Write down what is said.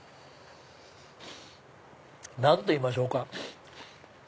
何といいましょうか。